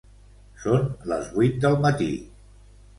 Són les vuit del matí.